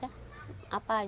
sebelum mengambil beras